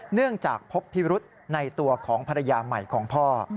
เนื่องจากพบพิรุษในตัวของภรรยาใหม่ของพ่อ